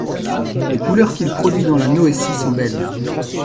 Les couleurs qu'il produit dans la noétie sont belles.